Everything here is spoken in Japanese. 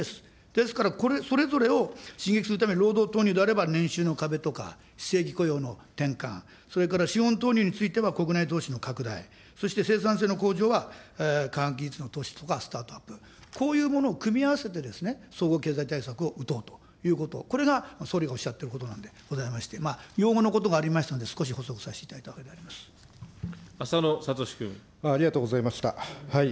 ですから、これ、それぞれを刺激するために、労働投入であれば年収の壁とか、非正規雇用の転換、それから資本投入については国内投資の拡大、そして生産性の向上は、科学技術の投資とかスタートアップ、こういうものを組み合わせて総合経済対策を打とうということ、これが総理がおっしゃっていることなんでございまして、用語のことがございましたので、少し補足させていただいたわけで浅野哲君。ありがとうございました。